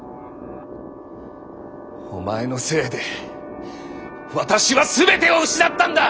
お前のせいで私は全てを失ったんだ！